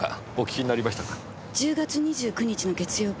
１０月２９日の月曜日。